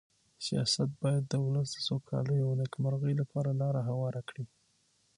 سیاست باید د ولس د سوکالۍ او نېکمرغۍ لپاره لاره هواره کړي.